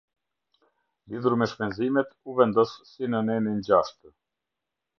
Lidhur me shpenzimet u vendos si në nenin gjashtë.